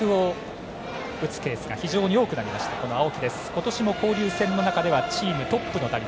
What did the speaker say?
今年も交流戦の中ではチームトップの打率。